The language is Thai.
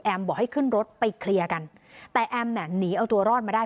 บอกให้ขึ้นรถไปเคลียร์กันแต่แอมเนี่ยหนีเอาตัวรอดมาได้